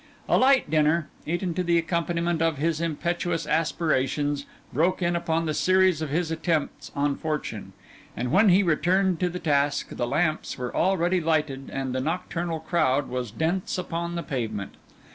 A light dinner, eaten to the accompaniment of his impetuous aspirations, broke in upon the series of his attempts on fortune; and when he returned to the task, the lamps were already lighted, and the nocturnal crowd was dense upon the pavement.